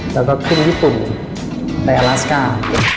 แล้วก็ขึ้นญี่ปุ่นไปอลาสกา